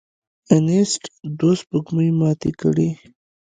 انیسټ دوه سپوږمۍ ماتې کړې.